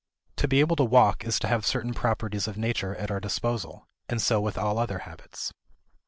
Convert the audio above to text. To be able to walk is to have certain properties of nature at our disposal and so with all other habits.